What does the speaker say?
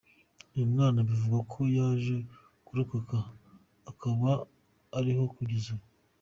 Uyu mwana bivugwa ko yaje kurokoka, akaba ariho kugeza ubu.